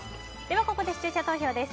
ここで視聴者投票です。